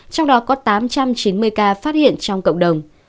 trong đó có tám trăm chín mươi ca phát hiện trong cộng đồng